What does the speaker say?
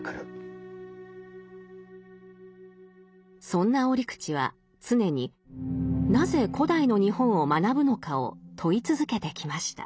そんな折口は常になぜ古代の日本を学ぶのかを問い続けてきました。